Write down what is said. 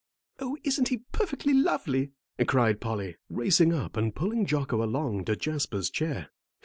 "Oh, isn't he perfectly lovely!" cried Polly, racing up and pulling Jocko along to Jasper's chair.